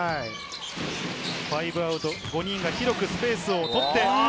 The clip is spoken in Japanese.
ファイブアウト、５人が広くスペースを取って。